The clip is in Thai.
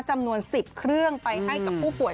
จำนวน๑๐เครื่องไปให้กับผู้ป่วย